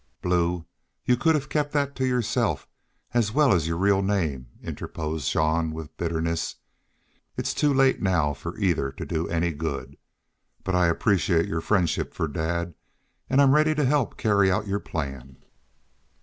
"Blue, you could have kept that to yourself, as well as your real name," interposed Jean, with bitterness. "It's too late now for either to do any good.... But I appreciate your friendship for dad, an' I'm ready to help carry out your plan."